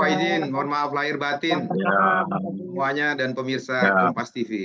mohon maaf lahir batin pemirsa kompas tv